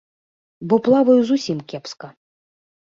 Бо плаваю зусім кепска.